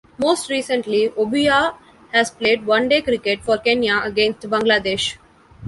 Most recently, Obuya has played one-day cricket for Kenya against Bangladesh.